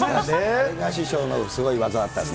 あれが師匠のすごい業だったですね。